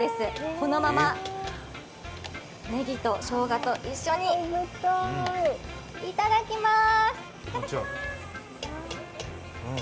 このまま、ねぎとしょうがと一緒にいただきます。